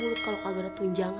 masukin ke bedung